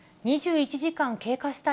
２１時間経過した